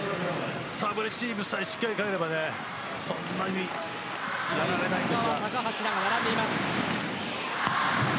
サーブレシーブさえしっかり返ればそんなにやられないんですけど。